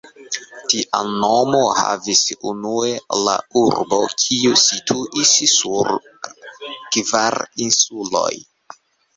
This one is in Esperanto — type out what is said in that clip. Tian nomon havis unue la urbo, kiu situis sur kvar insuloj.